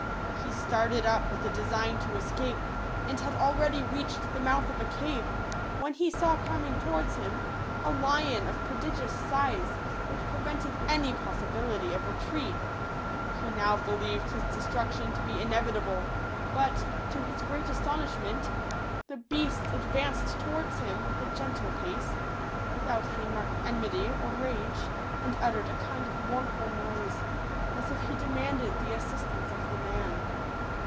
He started up with a design to escape, and had already reached the mouth of the cave, when he saw coming towards him a lion 74 of prodigious size, which prevented any possi bility of retreat He now believed his destruc tion to be inevitable ; but, to his great aston ishment, the beast advanced towards him with a gentle pace, without any mark of enmity or rage, and uttered a kind of mournful noise, as if he demanded the assistance of the man.